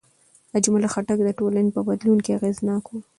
اجمل خټک د ټولنې په بدلون کې اغېزناک و.